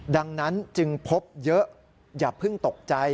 ดังนั้นจึงพบเยอะอย่าเพิ่งตกใจ